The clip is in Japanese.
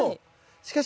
しかし。